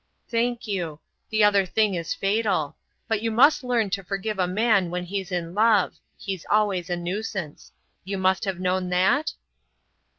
"Thank you. The other thing is fatal. But you must learn to forgive a man when he's in love. He's always a nuisance. You must have known that?"